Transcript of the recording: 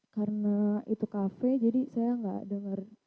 karena itu kafe jadi saya enggak dengar